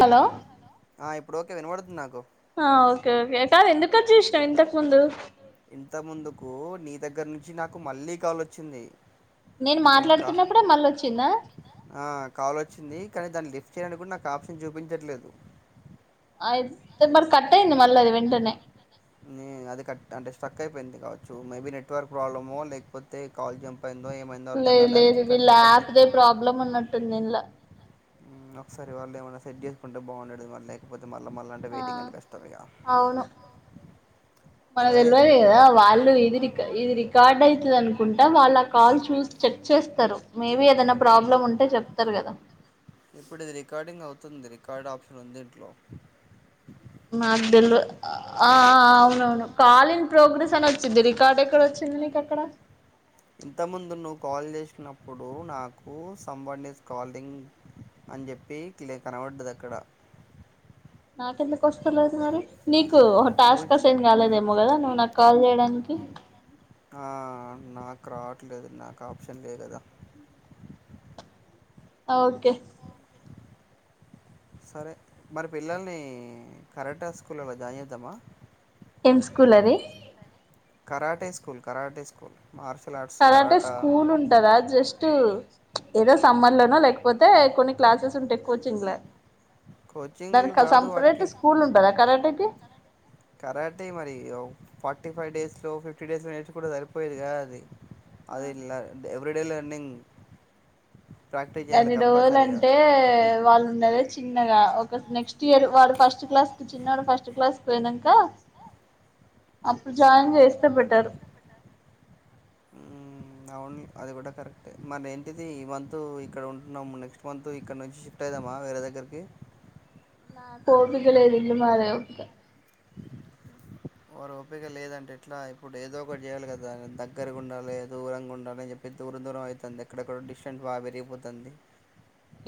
Hello నడద్దు నాకు ఆ ఓకే ఓకే కాదు ఎందుకు వచ్చూసాం ఇంతకు ముందు ఇంత ముందుకు నీ దగ్గర నుంచి నాకు మళ్ళీ కాల్ొచ్చింది నేను వెనుకా మాట్లాడుతున్నప్పుడే మళ్ళ వచ్చిందా ఆ కావాల వచ్చింది కానీ దాన్ని చేయడానికి కూడా నాకు ఆప్షన్ చూపించట్లేదు అయితే మరి కట్ అయింది మళ్ళీ అది వెంటనే అది కట్ అంటే స్టక్ అయిపోయింది కావచ్చు మేబీ నెట్వర్క్ ప్రాబ్లమ లేకపోతే కాల్ జంప్ అయిందో ఏమైందో అర్థం లేదు కాలే లేదు అందుకే వీ కట్ వీళ్ళ అయిపోయింది. అప్ ప్రాబ్లం ఉన్నట్టుంది ఇంలా ఒకసారి వాళ్ళు ఏమైనా సెడ్ చేసుకుంటే బాగుండదు వాళ్ళ లేకపోతే మళ్ళా మళ్ళా అంటే ఆ వెయిటింగ్ అంటే కష్టం ఇగ. అవును మన సరే తెలివదు కదా వాళ్ళు ఇది రిక ఇది రికార్డ్ అవుతుది అనుకుంటా వాళ్ళు ఆ కాల్ చూసి చెక్ చేస్తారు మేబి ఏదనా ప్రాబ్లమ్ ఉంటే చెప్తారు కదా ఇప్పుడు ఇది రికార్డింగ్ రికార్డ్ ఆప్షన్ ఉంది ఇట్లో నాకుతెల్వద్ ఆ అవునవును కాల్ ఇన్ ప్రోగ్రెస్ అని వచ్చింది రికార్డ్ ఎక్కడ వచ్చింది నీకు అక్కడ ఇంత ముందు నువ్వు కాల్ చేసినప్పుడు నాకు సంబర్డిస్ కాలింగ్ అని చెప్పి క్ కనబడ్డది అక్కడ నాక ఎందు కొస్తలెద్ మరి నీకు కు నువ్వు టాస్క్ నీకు కోషన్ కాలేదుగాదా నువ్ నాకు కాల్ చేయడానికి ఆ నాకు రావట్లేదు నాకు ఆప్షన్ లే కదా ఓకే సరే మరి పిల్లల్ని కరెక్టా స్కూల్లో జాయిన్ చేద్దామా ఎం స్కూల్ అది karate school karate school martial arts karate karate school ఉంటందా జస్ట్ ఏదో సమ్మర్ లోన లేకపోతే కొన్ని క్లాసెస్ ఉంటాయి కోచింగ్ లో కోచింగ్లు దానికి కాదు సపరేట్ వాటికి స్కూల్ ఉంటదా కరటేకి కరటె మరి ఫార్టీ ఫైవ్ డేస్ లో ఫిఫ్టీ డేస్ లో నేర్చుకుంటే సరిపోయేది కాద అది అది ఇలా ఎవ్రిడే లర్నింగ్ అన్ని రోజులుంటే వాళ్ళు ఉన్నద చిన్నగా ఒక నెక్స్ట్ ఇయర్ వాడు ఫస్ట్ క్లాస్ కు చిన్నవాడు ఫస్ట్ క్లాస్ కి పోయినాక అప్పుడు జాయిన్ చేస్తే బెటరు మ్మ్. అవును అది కూడా కరెక్ట్ మరి ఏంటిది ఈ మంత్ ఇక్కడ ఉంటున్నాము నెక్స్ట్ మంత్ ఇక్కడ నుంచి షిఫ్ట్ అయదామ్మా వేరే దగ్గరికి ఓపిక లేదు ఇల్లు మారాలంటే వారు ఓపిక లేదంటే ఎట్లా ఇప్పుడు ఏదో ఒకటి చేయాలి కదా దగ్గరగా ఉండాలి దూరంగా ఉండాలని చెప్పి దూరం దూరం అవుతుంది ఎక్కడక్కడ డిస్టెంట్ బాగా పెరిగిపోతుంది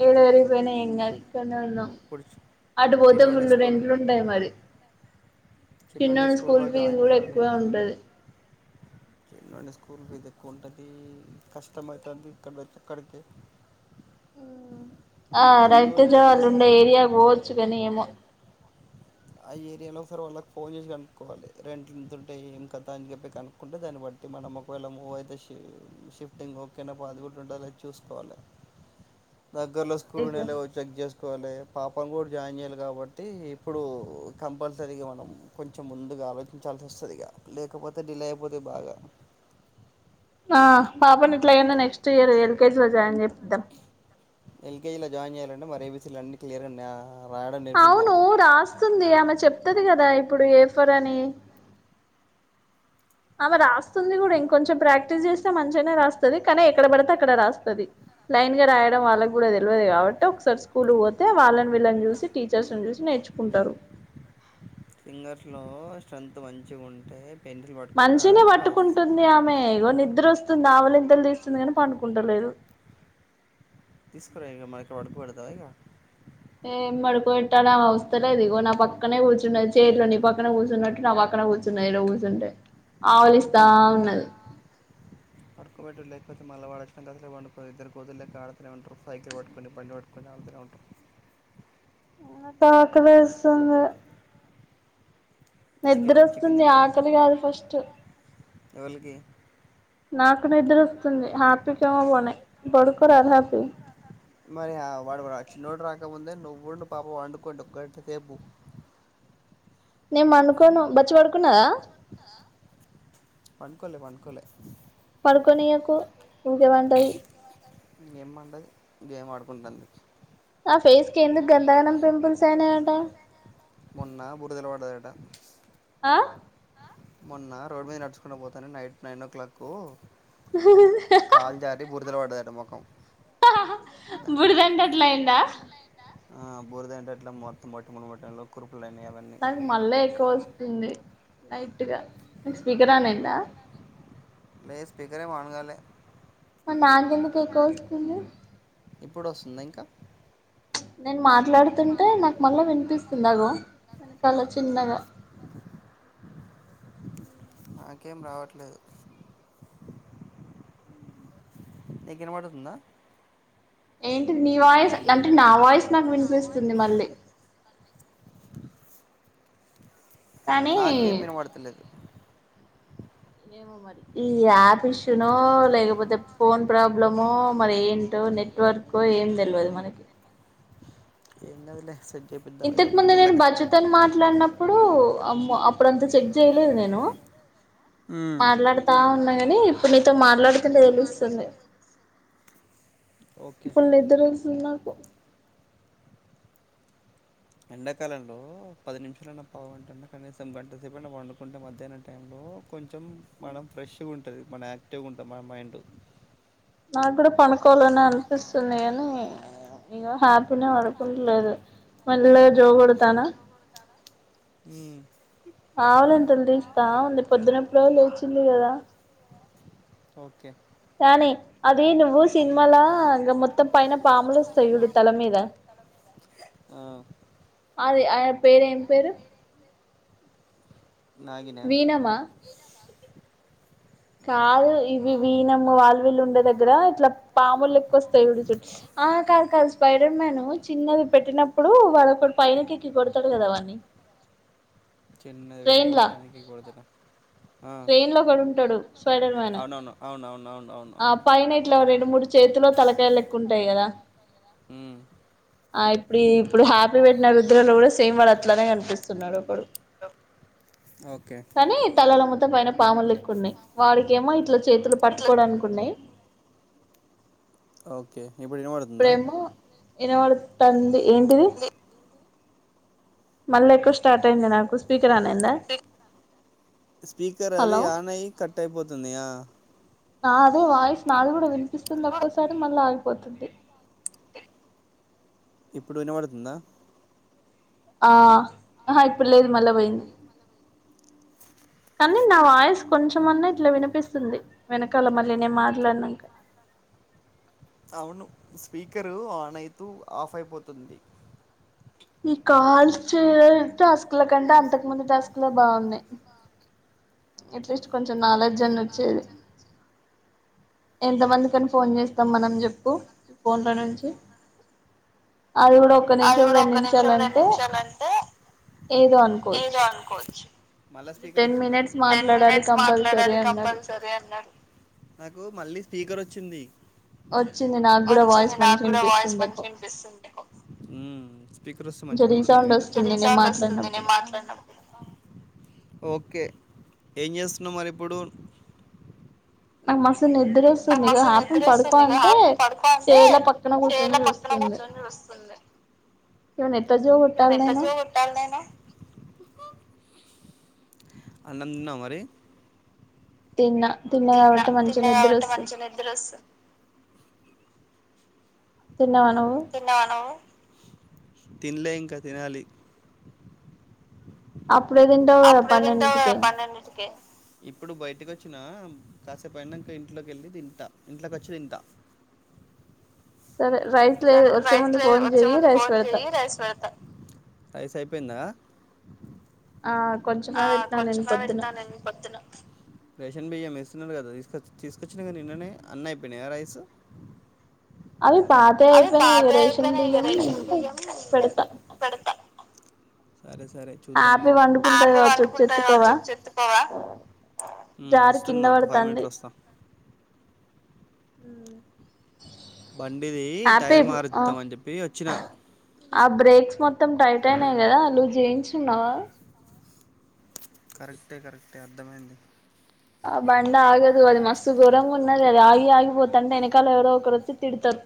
ఏడ పెరిగిపోయినా ఎం గాదు ఇక్కడే ఉన్నాం ఇప్పుడు చి- అటు పోతే చిన్నోడి ఫుల్ స్కూల్ రెంట్లు ఉంటాయి మరి చిన్నోడి చిన్నోని స్కూల్లో స్కూల్ ఫీజు జాయిన్ కూడా ఎక్కువ ఉంటది చిన్నడి స్కూల్ ఫీజ ఎక్కువ ఉంటుంది కష్టమవుతుంది ఇక్కడ అక్కడికి ఆ ఏదో ఒకటి రైతుజవాళ్ళు చేద్దాం ఉండే ఏరియా పోవచ్చు కానీ ఏమో ఆ ఏరియాలో ఒకసారి వాళ్ళకి ఫోన్ చేసి కనుక్కోవాలి రెంట్లుంతంటే ఏం కదా అని చెప్పి కనుక్కుంటే దాన్ని బట్టి మనం ఒకవేళ మూవ్ అయితే షిఫ్టింగ్ ఓకేనా పాజిబుల్ ఉందొ లేద చూసుకోవాలి దగ్గరలో స్కూల్ ఉన్నాయో లేవో చెక్ చేసుకోవాలి పాపను కూడా జాయిన్ చేయాలి కాబట్టి ఇప్పుడు కంపల్సరీగా మనం కొంచెం ముందుగా ఆలోచించాల్సి వస్తుందిక లేకపోతే డిలే అయిపోతే బాగా ఆ పాపని ఇట్లాయినా నెక్స్ట్ ఇయర్ ఎల్కేజీ లో జాయిన్ చేపిద్దాం ఎల్కేజీలో జాయిన్ చేయాలంటే మరి ఏబీసీలు అన్ని క్లియర్ అ అవును రాస్తుంది ఆమె చెప్తది కదా అది ఇప్పుడు ఏఫర్ అని ఆమె రాస్తుంది కూడా ఇంకొంచెం ప్రాక్టీస్ చేస్తే మంచిగానే రాస్తుది కానీ ఎక్కడ పడితే అక్కడ రాస్తుది లైన్ గా రాయడం వాళ్ళకి కూడా తెలియదు కాబట్టి ఒకసారి స్కూల్ పోతే వాళ్ళని వీళ్ళని చూసి టీచర్స్ని చూసి నేర్చుకుంటారు ఫింగర్స్ లో స్ట్రెంత్ మంచి గుంటే మంచినే పట్టుకుంటుంది ఆమె ఇగో నిద్ర వస్తుంది. ఆవలింతలు తీస్తుంది కాని పండుకుంటలేదు తీసుకురా ఇగ మరి ఇక్కడ పడుకో బెడతావా ఇగ ఏం పడుకో పెట్టాల ఆమె వస్తలేదు ఇగో నా పక్కనే కూర్చున్న చేతిలో నీ పక్కన కూర్చున్నట్టు నా పక్కన కూర్చున్నది ఈడ కూర్చుంటే ఆవలిస్తా ఉన్నది. పడుకోబెట్టు లేకపోతే మళ్ళీ వాడొచ్చడానికి అసలు వండుకోదు ఇద్దరు కోతు లెక్క ఆడుతనే ఉంటారు. సైకిలు పట్టుకొని బండి పట్టుకొని ఆడుతనే ఉంటారు. నాకు ఆకలేస్తుంది నిద్ర చికెన్ చికెన్ వస్తుంది తింటవా? ఆకలి కాదు ఫస్ట్ ఎవలికి నాకు నిద్రొస్తుంది ఆక [unintelligible] బాడుకో [unintelligible] మరి ఆ వాడు చిన్నోడు రాకముందే నువ్వు పాప వండుకోండి ఒక గంట సేపు నేను పనుకోను బచ్చి పడుకున్నాద పనుకోలే పనుకోలే పడుకొనియకు ఊకే పంటది ఎంపన్డదు గేమ్ ఆడుకుంటుంది. ఆ ఫేస్ కి ఎందుకు గందగనం పింపుల్స్ అయినయ్ కుత్త మొన్న బురుదల పడ్డదట అ మొన్న రోడ్ మీద నడుచుకుంట పోతాను నైట్ నైన్ ఓ క్లాక్ కాల్ జారీ బురదలో పడ్డదట మొఖం హా హా బుడదంతా అట్లా అయిందా ఆ బుడదంతా మొత్తం [unintelligible] అవన్నీ దానికి మళ్ళా ఎక్కువ వస్తుంది. లైట్గా నీకు స్పీకర్ ఆన్ అయిందా లే స్పీకరే మీ అనుగాలే [unintelligible] ఎందుకు ఎక్కువ వస్తుంది ఇప్పుడు వస్తుందా ఇంకా నేను మాట్లాడుతుంటే నాకు మళ్ళా వినిపిస్తుంది అగో వెనకల చిన్నగా ఉ నాకేం రావట్లేదు నీకు వినబడుతుందా ఏ నీ వాయిస్ అంటే నా వాయిస్ నాకు వినిపిస్తుంది మళ్ళీ కానీ నాకేం వినబడతలేదు ఏమో మరి ఈ యాప్ ఇష్యూనో లేకపోతే ఫోన్ ప్రాబ్లమో మరి ఏంటో నెట్వర్క్ ఏం తెలియదు మనకి ఏం కాదులే ఇంతకు ముందు నేను బచ్చుతోని మాట్లాడినప్పుడు ఇప్పుడు అమ్ అప్పుడంత చెక్ చేయలేదు నేను మ్మ్. మాట్లాడుతా ఉన్నా గాని ఇప్పుడు నీతో మాట్లాడుతుంటే తెలుస్తుంది. ఓకే ఫుల్ నిద్ర వస్తుంది నాకు ఎండాకాలంలో పది నిమిషాలున్న పావు గంట అయినా కనీసం గంట సేప వండుకుంటే మధ్యాహ్న టైంలో కొంన్ చెం మనం ఫ్రెష్గా ఉంటుంది మన యాక్టివ్గా ఉంటుంది మన మైండ్ నాకు కూడా పనుకోవాలనే అనిపిస్తుంది అని ఇక హ్యాపీనే పడుకుంలేదు మళ్ళీ జో కొడతానా. ఆవలింతలు తీస్తా ఉంది పొద్దునప్పుడో వచ్చింది కదా ఓకే కానీ అద నువ్వు సినిమాల ఇంకా మొత్తం పైన పాములు వస్తాయి చూడు తల మీద మీద ఆ అదే ఆయన పేరు ఏం పేరు నాగినా వీణమా కాదు ఇవి వినము వాల్వీల్లుు ఉండే దగ్గర ఇట్లా పాములు ఎక్కువ వస్తాయి ఉడి చు ఆ కాదు కాదు స్పైడర్ మ్యాన్ చిన్నది పెట్టినప్పుడు వాడఅక్కడ పైైనకి ఎక్కి కొడతాడు కదా వాన్ని. చిన్నది పాటినవ్ ట్రైన్లా పనికి [unintelligible] ఆ ట్రైన్ లో కూడా ఉంటాడు స్పైడర్ మాన్ అవునవును అవునవును అవును అవును ఆ పైన ఇట్లా రెండు మూడు చేతులో తలకాయలు ెక్కుంటాయి కదా ఉమ్ ఆ ఇప్పుడు ఇప్పుడు హ్యాపీ పేట్ నా రుద్రలో కూడా సేమ్ వాడుు అట్లానే కనిపిస్తున్నాడు ఒకడు ఓకే కానీ తలాలో మ పూట పైన పాములు లేక్కు ఉన్నాయి వాడికేమో ఇట్లా చేతులు పట్టుకోడానికి ఉన్నాయి. ఓకే ఇప్పుడు విన పడుతుందా వినవడుతుంది ఏంటిది మళ్ళీ ఎక్కువ స్టార్ట్ అయింది నాకు స్పీకర్ ఆన్ అయిందా. స్పీకర్ అది హలో ఆన్ అయిి కట్ అయిపోతుంది ఆ నా అదే వాయిస్ నాది కూడా వినిపిస్తుంది ఒక్కోసారి మళ్ళీ ఆగిపోతుంది. ఇప్పుడు విన పడుతుందా. ఆ ఆ ఇప్పుడు లేదు మళ్ళా పోయింది కానీ నా వాయిస్ కొంచెమన్నా ఇట్లా వినిపిస్తుంది వెనకాల మళ్ళీ నేను మాట్లాడినంక. అవును స్పీకరు ఆన్ ఐతూ ఆఫ్ అయిపోతుంది. ఈ కాల్ చేయ టాస్క్ ల కంటే అంతకు ముందు టాస్క్ లో బాగున్నాయి. ఎట్లా కొంచెం ఓకే నాలెడ్జ్ అని వచ్చేది ఎంత మంది కని ఫోన్ చేస్తాం మనం చెప్పు ఫోన్ల నుంచి అది కూడా ఒక్క నిమి చూడు ఒక నిమిషం రెండు నిమిషాలు అంటే ఏదో ఏదో అనుకోవచ్చు అనుకోవచ్చు. టెన్ మినిట్స్ టెన్ మాట్లాడాలి మినిట్స్ కంపల్సరీ మాట్లాడాలి అన్నాడు కంపల్సరీ అన్నాడు. వచ్చింది వచ్చింది నాకు కూడా వాయిస్ వచ్చింది నాకు మంచిగా కూడా వాయిస్ వినిపిస్తుంది మంచి ఎక్కువ కనిపిస్తుంది ఏకో. స్పీకర్ వస్తే మంచిగా కొంచెం వినపడుతుంది రీసౌండ్ వస్తుంది నేను మాట్లాడినప్పుడు కదా ఓకే ఏం చేస్తున్నాం మరి ఇప్పుడు ఆ మస నిద్ర వస్తుంది ఇక మసు హ్యాపీ నిద్ర పడుకో వస్తుంది ఇ అంటే ఆపం పడుకోంటే చేలా పక్కన చేల కూర్చొని పక్కన చూస్తుంది కూర్చొని వస్తుంది క ఇవన్ ఎంత జో ఉట్టాలనా అనందన్నా మరి తిన్నా తిన్నా తిన్న కాబట్టి మంచిగా తిన్నా నిద్ర కాబట్టి వస్తుంది మంచి నిద్ర వస్తుంది తిన్నావా నువ్వు తిన్నావా నువ్వు తినలే ఇంకా తినాలి అప్పు అప్పుడుదింటా పన్నెండింటికి ఇప్పుడు బయటకి వచ్చినా కాసేపు అయినా ఇంక ఇంట్లోకి వెళ్ళి తింత ఇంట్లోకి వచ్చి తింతా సరే రైస్ లే వచ్చే ముందు ఫోన్ చెయయి రైస్ పెడతా రైస్ అయిపోయిందా ఆ కొంచమే పెట్నా నేను పొద్దున రేషన్ బియ్యం వేస్తున్నారు కదా తీసుకొచ్చ తీసుకొచ్చిన కదా నిన్ననే అన్న అయిపోయినాయి రైసు అవి పాద అయిపోనే రేషన్ బియ్యం పెడత సరే సరే చూద్దాం లే కావచ్చు వచ్చి వంవా ఎత్తుకోవా జారి కింద వస్తున్నా ఒక ఫైవ్ పడుతంది మినిట్లు వస్తాం అ బండిది టైర్ ఆ మారుద్దాం అని చెప్పి వచ్చిన ఆ బ్రేక్స్ మొత్త మొత్తం టైట్ అయినాయి కదా అలుూ జీన్స్ తిన్నావా కరెక్టే కరెక్టే అర్థమైంది ఆ బండ ఆగదు అది మస్తు గోరంగ ఉన్నది అది ఆగి ఆగిపోతు అంటే వెనకాల ఎవరో ఒకరు వచ్చి తిడుతారు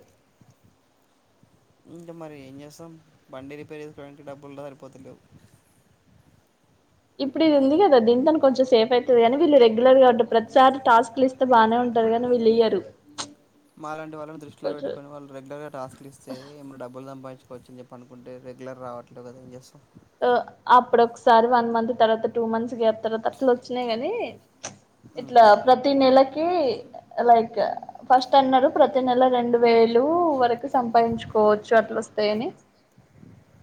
ఇంట మరి ఇం చేసం బండి రిపేర్ చేసుకోవడానికి డబ్బులు సరిపోతులే ఇప్పుడు ఇదిందిగద దీనితోని కొంచెం సేఫ్ అయితదిగాని నీళు రెగ్యులర్ గా ప్రతి ఇయ్యరు మాలాంటి వాళ్ళని దృష్టిలో కొంచెం పెట్టుకొని వాళ్ళు రెగ్యులర్ గా టాస్క్లు ఇస్తే ఏరు డబ్బులు సంపాదించు కోర్చని అనుకుంటే రెగ్యులర్ రావట్లేదు కాం చేస్తాం అప్పుడ ఒకసారి వన్ మంత్ తర్వాత టూ మంత్స్ గ్యాప్ తర్వాత అట్లు వచ్చినాయి గాని ఇట్లా ఉమ్. ప్రతి నెలకి లైక్ ఫస్ట్ అన్నారు ప్రతి నెల రెండు వేలు వరకు సంపాదించుకోవచ్చు అట్లొస్తాయని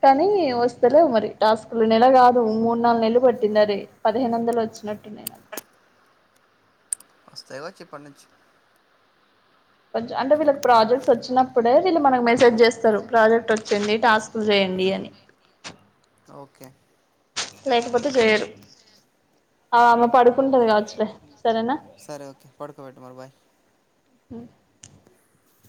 కానీ ఉమ్. వస్తలే మరి టక్కు నెల కాదు మూడు నాలుగు నెలలు పట్టిన రే పదిహేను వందలు వచ్చినట్టున్నాయి నాకు వస్తాయిగావచ్చు ఇప్పటి నుంచి కొంచం అంటే వీళ్ళకి ప్రాజెక్ట్స్ వచ్చినప్పుడే వీళ్ళు మనకి మెసేజ్ చేస్తారు ప్రాజెక్ట్ వచ్చింది టాస్క్ చేయండి అని ఓకె లేకపోతే చేయరు ఆ అమ్మ పడుకుంటది కావచ్చలే సరేనా సరే ఓకే పడుకోబెట్టు మరి బాయ్ హు